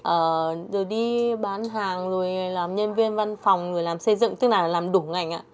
ờ rồi đi bán hàng rồi làm nhân viên văn phòng rồi làm xây dựng tức là làm đủ ngành ạ